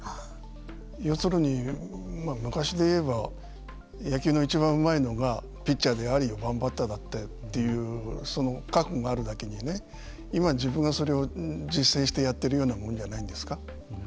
要するに昔で言えば野球のいちばんうまいのがピッチャーであり４番バッターだったというその覚悟があるだけにね今自分がそれを実践してやっているようなものじゃないんですか。